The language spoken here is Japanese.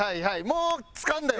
もうつかんだよ